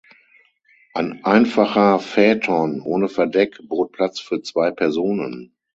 Ein einfacher Phaeton ohne Verdeck bot Platz für zwei Personen.